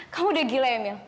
kamu udah gila ya mil